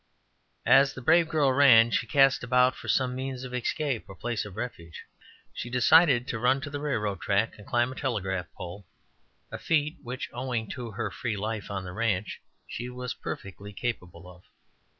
As the brave girl ran, she cast about for some means of escape or place of refuge. She decided to run to the railroad track and climb a telegraph pole a feat which, owing to her free life on the ranch, she was perfectly capable of.